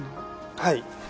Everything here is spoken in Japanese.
はい。